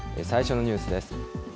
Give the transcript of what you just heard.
最初のニュースです。